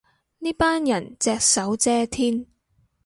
呢班人隻手遮天